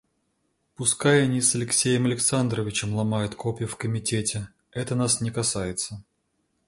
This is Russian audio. Пускай они с Алексеем Александровичем ломают копья в комитете, это нас не касается.